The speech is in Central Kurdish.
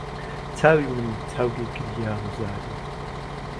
چاوی من چاوگەی گریان و زاری